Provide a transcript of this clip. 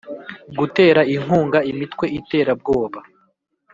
gutera inkunga imitwe iterabwoba